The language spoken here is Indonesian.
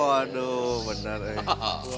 waduh benar ya